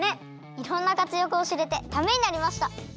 いろんなかつやくをしれてためになりました！